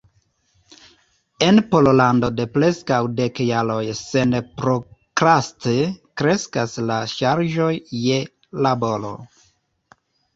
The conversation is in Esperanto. En Pollando de preskaŭ dek jaroj senprokraste kreskas la ŝarĝoj je laboro.